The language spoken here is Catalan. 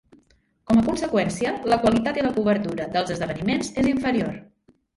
Com a conseqüència, la qualitat i la cobertura dels esdeveniments és inferior.